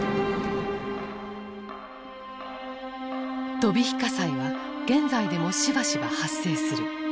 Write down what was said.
飛び火火災は現在でもしばしば発生する。